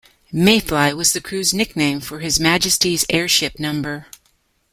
"Mayfly" was the crew's nickname for His Majesty's Airship No.